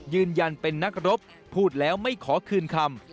ยืนยันเป็นนักรบพูดแล้วไม่ขอคืนคำ